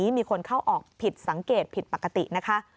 มีคนเข้าออกผิดสังเกตผิดปกตินะคะ